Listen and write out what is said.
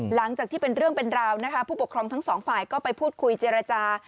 หลังจากที่เป็นเรื่องเป็นราวนะคะผู้ปกครองทั้งสองฝ่ายก็ไปพูดคุยเจรจา